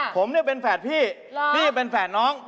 ผมเนี่ยเป็นแฝดพี่พี่เป็นแฝดน้อง